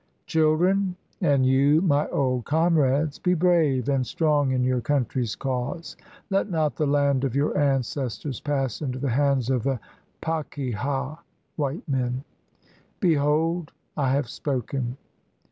"Children, and you, my old comrades, be brave and strong in your coimtry's cause. Let not the land of your ancestors pass into the hands of the Pakeha [white men]. Behold, I have spoken."